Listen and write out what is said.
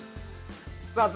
さあ